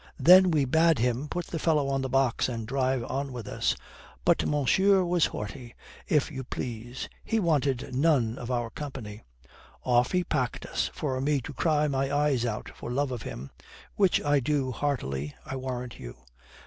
Then we bade him put the fellow on the box and drive on with us. But monsieur was haughty, if you please. He wanted none of our company. Off he packed us, for me to cry my eyes out for love of him. Which I do heartily, I warrant you."